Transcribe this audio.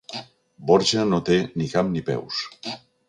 Borja no té ni cap ni peus.